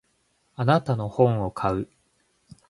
あなたの本を買う。